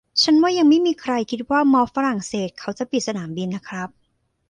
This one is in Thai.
ผมว่ายังไม่มีใครคิดว่าม็อบฝรั่งเศสเขาจะปิดสนามบินนะครับ